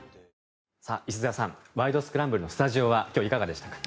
石澤さん「ワイド！スクランブル」のスタジオは今日いかがでしたか？